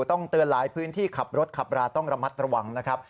ต้องเตือนหลายพื้นที่ขับรถขับราต้องระมัดระวังนะครับ